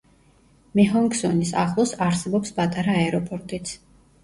მეჰონგსონის ახლოს არსებობს პატარა აეროპორტიც.